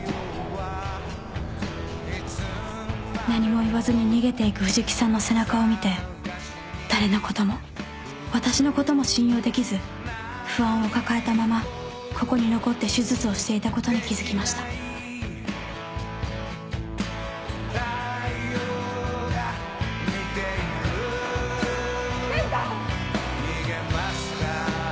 何も言わずに逃げて行く藤木さんの背中を見て誰のことも私のことも信用できず不安を抱えたままここに残って手術をしていたことに気付きました健太！